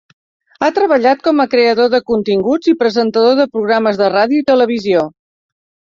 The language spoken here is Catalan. Ha treballat com a creador de continguts i presentador de programes de ràdio i televisió.